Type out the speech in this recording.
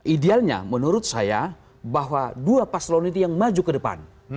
idealnya menurut saya bahwa dua paslon itu yang maju ke depan